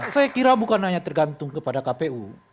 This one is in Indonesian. saya kira bukan hanya tergantung kepada kpu